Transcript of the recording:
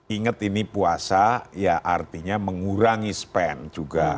ingat ini puasa ya artinya mengurangi spend juga